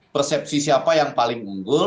persepsi siapa yang paling unggul